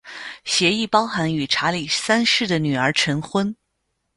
协议包含与查理三世的女儿成婚。